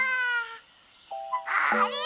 あれ？